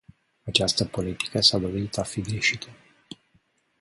Această politică s-a dovedit a fi greșită.